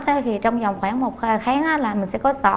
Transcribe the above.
thì trong vòng khoảng một kháng là mình sẽ có sáu